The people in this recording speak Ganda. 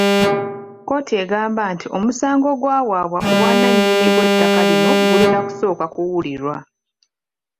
Kkooti egamba nti omusango ogwawaabwa ku bwannannyini bw'ettaka lino gulina kusooka kuwulirwa.